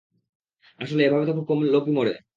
আসলে, এভাবে তো খুব কম লোকই মরে।